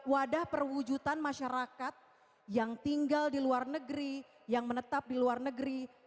wadah perwujudan masyarakat yang tinggal di luar negeri yang menetap di luar negeri